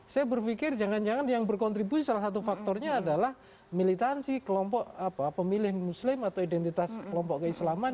saya berpikir jangan jangan yang berkontribusi salah satu faktornya adalah militansi kelompok pemilih muslim atau identitas kelompok keislaman